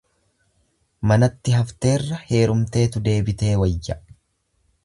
Manatti hafteerra heerumteetu deebitee wayya.